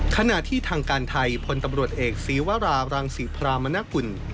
ขณะที่ทางการไทยพลตำรวจเอกศีวรารังศรีพรามนกุล